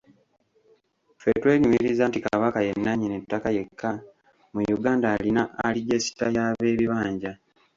Ffe twenyumiriza nti Kabaka ye nannyini ttaka yekka mu Uganda alina alijesita y’abeebibanja.